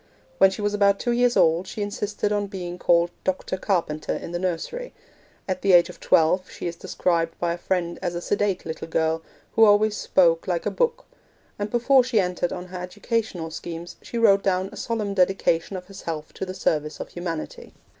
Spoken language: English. When she was about two years old she insisted on being called 'Doctor Carpenter' in the nursery; at the age of twelve she is described by a friend as a sedate little girl, who always spoke like a book; and before she entered on her educational schemes she wrote down a solemn dedication of herself to the service of humanity.